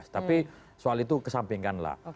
tapi soal itu kesampingkanlah